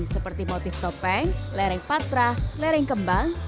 seperti motif topeng lereng patra lereng kembang